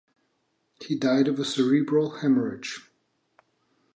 He died of a cerebral haemorrhage.